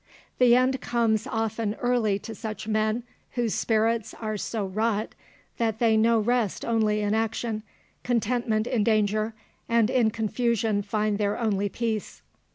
The end comes often early to such men, whose spirits are so wrought that they know rest only in action, contentment in danger, and in confusion find their only peace.